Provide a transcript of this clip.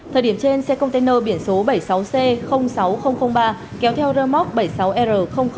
thời điểm trên xe container biển số bảy mươi sáu c sáu ba kéo theo rơ móc bảy mươi sáu r một trăm bảy mươi năm